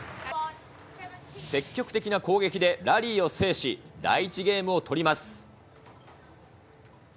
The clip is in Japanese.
積極的な攻撃でラリーを制し、第１ゲームを取ります。